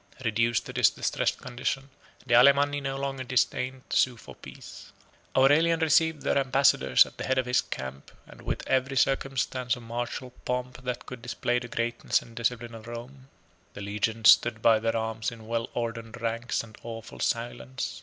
Reduced to this distressed condition, the Alemanni no longer disdained to sue for peace. Aurelian received their ambassadors at the head of his camp, and with every circumstance of martial pomp that could display the greatness and discipline of Rome. The legions stood to their arms in well ordered ranks and awful silence.